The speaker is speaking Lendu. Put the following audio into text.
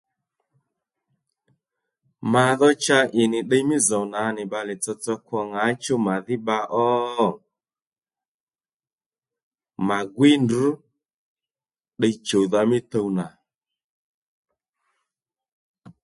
Ma dho cha ì nì ddiy mí zòw nà nì bbalè tsotso kwo ŋǎchú màdhí bba ó? Mà gwíy ndrǔ ddiy chùwdha mí tuw nà